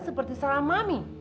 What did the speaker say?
seperti salah mami